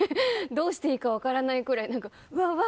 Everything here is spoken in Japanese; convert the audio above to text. どうしていいか分からないくらいうわ、うわ！